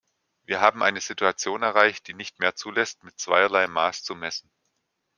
Wir haben eine Situation erreicht, die nicht mehr zulässt, mit zweierlei Maß zu messen.